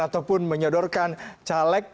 ataupun menyodorkan caleg